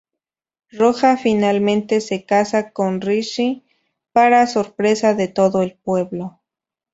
Roja finalmente se casa con Rishi para sorpresa de todo el pueblo.